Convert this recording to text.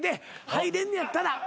入れんねんやったら。